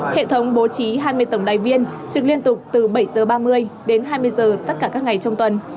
hệ thống bố trí hai mươi tổng đài viên trực liên tục từ bảy h ba mươi đến hai mươi h tất cả các ngày trong tuần